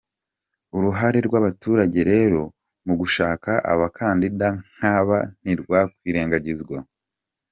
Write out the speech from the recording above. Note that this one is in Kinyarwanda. Uruhare rw’abaturage rero mu gushaka abakandida nk’aba ntirwakwirengagizwa.